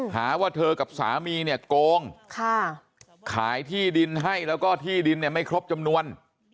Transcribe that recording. หาว่าเธอกับสามีเนี่ยโกงขายที่ดินให้แล้วก็ที่ดินเนี่ยไม่ครบจำนวน